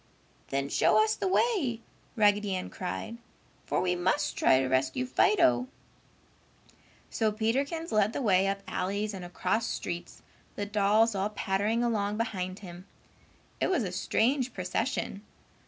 "Then show us the way!" Raggedy Ann cried, "for we must try to rescue Fido." So Peterkins led the way up alleys and across streets, the dolls all pattering along behind him. It was a strange procession.